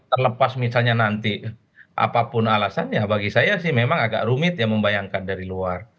terlepas misalnya nanti apapun alasannya bagi saya sih memang agak rumit ya membayangkan dari luar